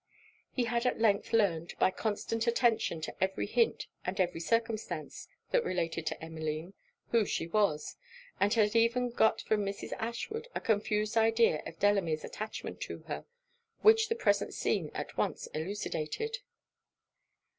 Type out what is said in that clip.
He had at length learned, by constant attention to every hint and every circumstance that related to Emmeline, who she was; and had even got from Mrs. Ashwood a confused idea of Delamere's attachment to her, which the present scene at once elucidated.